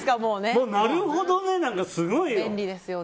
なるほどねなんかすごいよ。